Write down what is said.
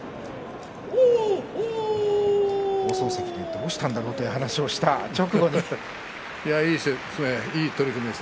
放送席で王鵬、どうしたんだろうという話をしたあとでした。